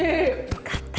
よかった。